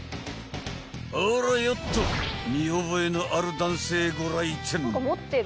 ［あらよっと見覚えのある男性ご来店］